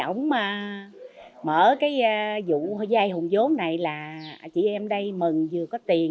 ông mở cái vụ dây hùng giống này là chị em đây mừng vừa có tiền